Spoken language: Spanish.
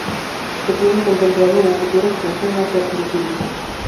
Se tiene contemplado una futura extensión hacia Tiltil.